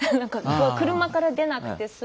車から出なくて済む。